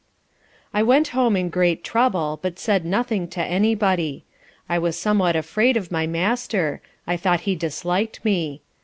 I went home in great trouble, but said nothing to any body. I was somewhat afraid of my master; I thought he disliked me.